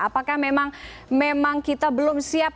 apakah memang kita belum siap